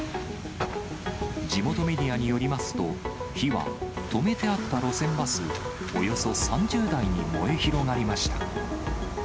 地元メディアによりますと、火は、止めてあった路線バスおよそ３０台に燃え広がりました。